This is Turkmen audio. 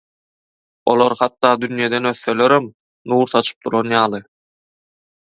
Olar hatda dünýeden ötselerem nur saçyp duran ýaly…